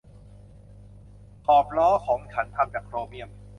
ขอบล้อของฉันทำจากโครเมี่ยม